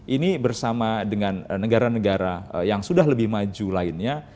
ini bersama dengan negara negara yang sudah lebih maju lainnya